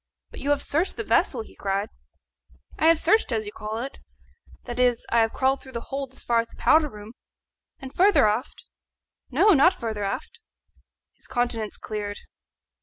"But you have searched the vessel?" he cried. "I have searched, as you call it that is, I have crawled through the hold as far as the powder room." "And further aft?" "No, not further aft." His countenance cleared.